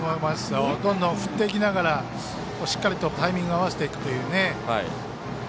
どんどん振っていきながらしっかりとタイミングを合わせていくというね。